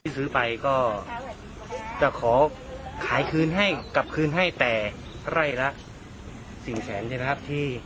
ซื้อไปก็จะขอขายคืนให้กับคืนให้แต่ไร่ละ๔แสนใช่ไหมครับ